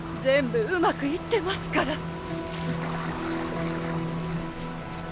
全部うまくいってますから。